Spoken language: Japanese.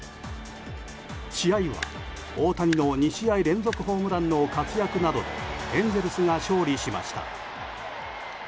試合は、大谷の２試合連続ホームランの活躍などでエンゼルスが勝利しました。